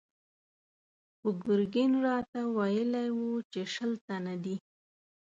خو ګرګين راته ويلي و چې شل تنه دي.